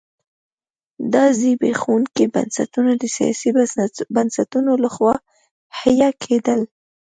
دا زبېښونکي بنسټونه د سیاسي بنسټونو لخوا حیه کېدل.